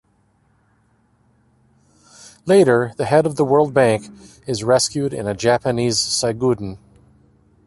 Later, the head of the World Bank is rescued in a Japanese saiguden.